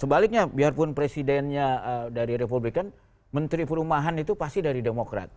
sebaliknya biarpun presidennya dari republikan menteri perumahan itu pasti dari demokrat